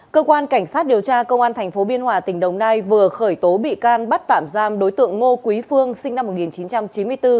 cơ quan cảnh sát điều tra công an tp biên hòa tỉnh đồng nai vừa khởi tố bị can bắt tạm giam đối tượng ngô quý phương sinh năm một nghìn chín trăm chín mươi bốn